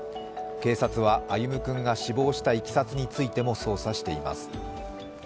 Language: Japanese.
警察は、歩夢君が死亡したいきさつについても捜査しています。